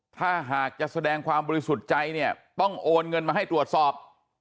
ถ้าหากจะแสดงความบริสุทธิ์ใจเนี่ยต้องโอนเงินมาให้ตรวจสอบ